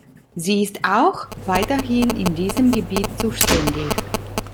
Sie ist auch weiterhin in diesem Gebiet zuständig.